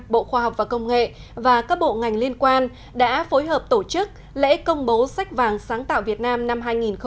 bộ khoa học và công nghệ và các bộ ngành liên quan đã phối hợp tổ chức lễ công bố sách vàng sáng tạo việt nam năm hai nghìn một mươi chín